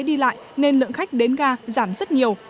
đi lại nên lượng khách đến ga giảm rất nhiều